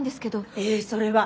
えぇそれは。